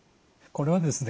これはですね